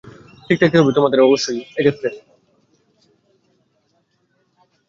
তবে আসন্ন শ্রীলঙ্কা সফরে স্ত্রী-বান্ধবীদের সঙ্গ নিষিদ্ধ করার পেছনের কারণ এটা নয়।